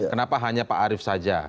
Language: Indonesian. kenapa hanya pak arief saja